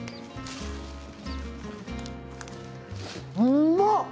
うまっ！